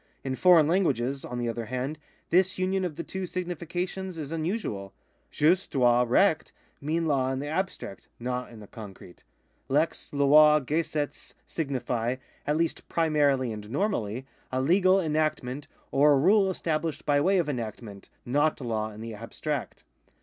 In foreign languages, on the other hand, this union of the two significations is unusual. Jus, droit, reclit mean law in the abstract, not in the concrete. Lex, loi, geseiz signify, at least primarily and normally, a legal enactment, or a rule established by way of enactment, not law in the abstract.